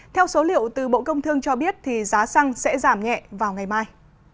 theo số liệu từ bộ công thương cho biết giá xăng sẽ giảm nhẹ vào ngày mai